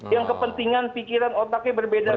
yang kepentingan pikiran otaknya berbeda beda